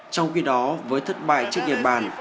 trong khi đó với thất bại trước nhật bản